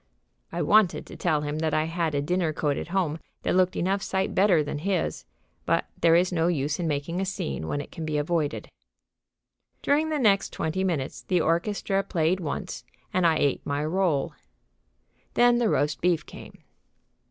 I wanted to tell him that I had a dinner coat at home that looked enough sight better than his, but there is no use in making a scene when it can be avoided. During the next twenty minutes the orchestra played once and I ate my roll. Then the roast beef came.